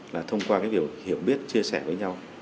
là thông qua cái việc hiểu biết chia sẻ với nhau